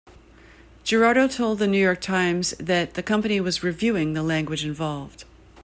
Girardo told the "New York Times" that the company was "reviewing" the language involved.